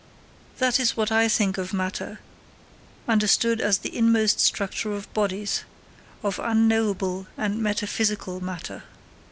That is what I think of matter, understood as the inmost structure of bodies of unknowable and metaphysical matter.